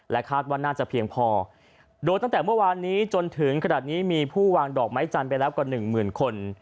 คาดว่าน่าจะเพียงพอโดยตั้งแต่เมื่อวานนี้จนถึงขนาดนี้มีผู้วางดอกไม้จันทร์ไปแล้วกว่าหนึ่งหมื่นคน